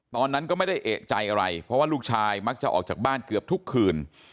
ตอนนั้นก็ไม่ได้เอกใจอะไรเพราะว่าลูกชายมักจะออกจากบ้านเกือบทุกคืน